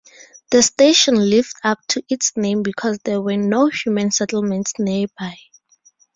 The station lived up to its name because there were no human settlements nearby.